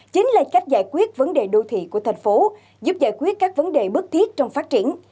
chính là cách giải quyết vấn đề đô thị của thành phố giúp giải quyết các vấn đề bức thiết trong phát triển